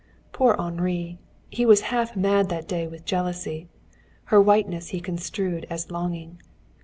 Poor Henri! He was half mad that day with jealousy. Her whiteness he construed as longing.